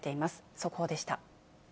速報でした。